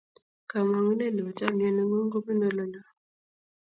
kamang'ut nebo chamiet ne ng'un kobunu ole loo